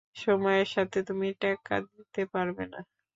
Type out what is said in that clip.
সময়ের সাথে তুমি টেক্কা দিতে পারবে না।